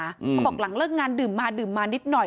เขาบอกหลังเลิกงานดื่มมาดื่มมานิดหน่อย